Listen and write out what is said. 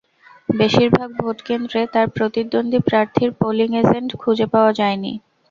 বেশির ভাগ ভোটকেন্দ্রে তাঁর প্রতিদ্বন্দ্বী প্রার্থীর পোলিং এজেন্ট খুঁজে পাওয়া যায়নি।